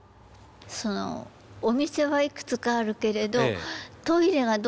そのお店はいくつかあるけれどトイレがどうなってるか分からないと。